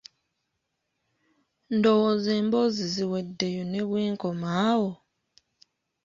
Ndowooza emboozi ziweddeyo ne bwe nkoma awo?